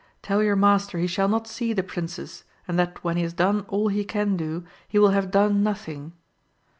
Tell your master he shall not see the princess, and that when he has done all he can do, he will have done nothing.